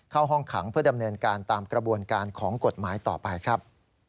เข้าห้องขังเพื่อดำเนินการตามกระบวนการของกฎหมายต่อไปครับ